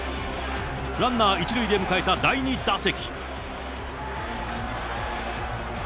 ランナー１塁で迎えた第２打席。